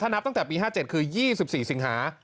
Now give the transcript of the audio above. นับตั้งแต่ปี๕๗คือ๒๔สิงหา